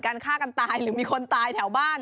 ฆ่ากันตายหรือมีคนตายแถวบ้าน